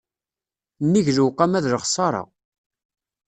Nnig lewqama d lexṣaṛa.